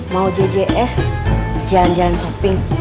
mau jjs jalan jalan shopping